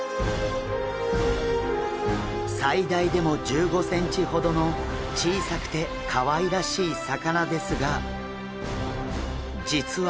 最大でも１５センチほどの小さくてかわいらしい魚ですが実は。